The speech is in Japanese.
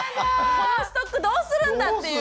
このストックどうするんだ⁉っていうね。